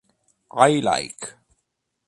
I Like